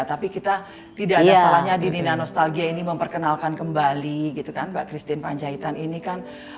tapi kita tidak ada salahnya di nina nostalgia ini memperkenalkan kembali gitu kan mbak christine panjaitan ini kan